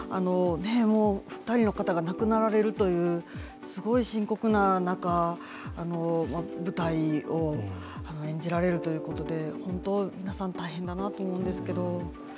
２人の方が亡くなられるというすごい深刻な中、舞台を演じられるということで本当皆さん、大変だなと思います。